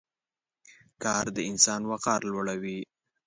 کار د انسان وقار لوړوي.